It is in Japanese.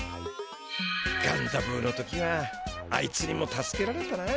ガンダブーの時はあいつにも助けられたな。